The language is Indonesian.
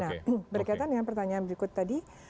nah berkaitan dengan pertanyaan berikut tadi